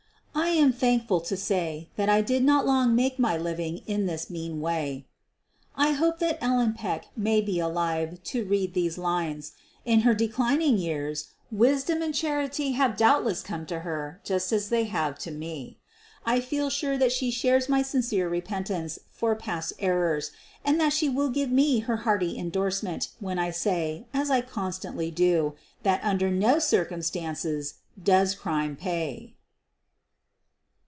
I am thankful to say that I did not long make my living in this mean way. I hope that Ellen Peck may be alive to read these lines. In her declining years wisdom and charity have doubtless come to her just as they have to me. I feel sure that she shares my sincere repentance for past errors, and that she will give me her hearty indorsement when I say, as I constantly do, that un der no circumstances does crime pay.